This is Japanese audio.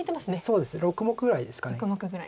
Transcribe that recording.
そうですね６目ぐらいですか。